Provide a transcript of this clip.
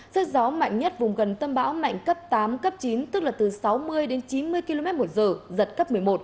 sức gió mạnh nhất vùng gần tâm bão mạnh cấp tám cấp chín tức là từ sáu mươi đến chín mươi km một giờ giật cấp một mươi một